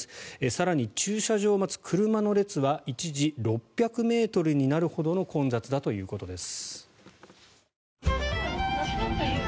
更に駐車場を待つ車の列は一時、６００ｍになるほどの混雑だということです。